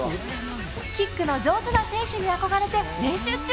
キックの上手な選手に憧れて練習中！